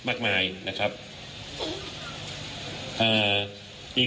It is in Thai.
คุณผู้ชมไปฟังผู้ว่ารัฐกาลจังหวัดเชียงรายแถลงตอนนี้ค่ะ